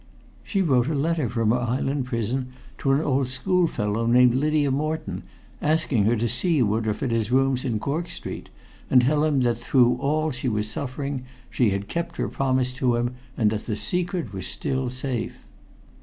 "She wrote a letter from her island prison to an old schoolfellow named Lydia Moreton, asking her to see Woodroffe at his rooms in Cork Street, and tell him that through all she was suffering she had kept her promise to him, and that the secret was still safe."